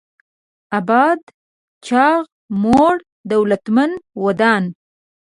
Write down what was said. اباد: چاغ، موړ، دولتمن، ودان